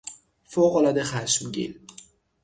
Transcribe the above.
فوقالعاده خشمگین